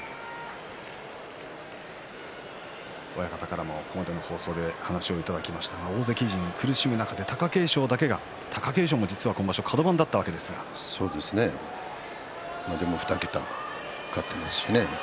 親方からも、ここまでの放送で話をいただきましたが大関陣が苦しむ中で貴景勝だけが貴景勝も実は今場所カド番だったわけですがでも２桁勝っていますしね。